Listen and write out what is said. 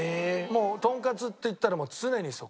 もうとんかつっていったら常にそこ。